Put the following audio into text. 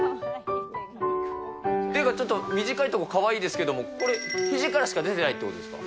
手がちょっと短いのがかわいいですけれども、これ、ひじからしか出てないってことですか。